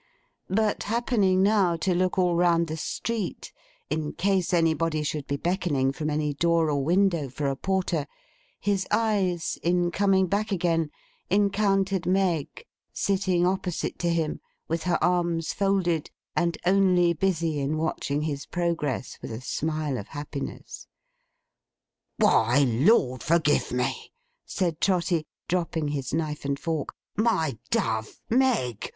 But happening now to look all round the street—in case anybody should be beckoning from any door or window, for a porter—his eyes, in coming back again, encountered Meg: sitting opposite to him, with her arms folded and only busy in watching his progress with a smile of happiness. 'Why, Lord forgive me!' said Trotty, dropping his knife and fork. 'My dove! Meg!